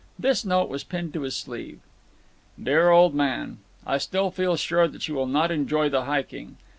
This note was pinned to his sleeve: DEAR OLD MAN,—I still feel sure that you will not enjoy the hiking.